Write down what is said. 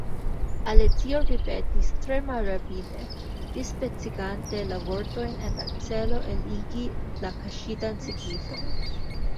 Alicio ripetis tre malrapide, dispecigante la vortojn en la celo eligi la kaŝitan signifon.